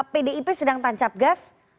pdip sedang tancap gas